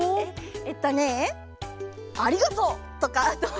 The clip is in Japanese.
えっえっとね「ありがとう！」とかはどう？